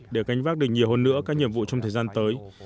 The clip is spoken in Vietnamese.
để canh vác được nhiều hơn nữa các nhiệm vụ trong thời gian tới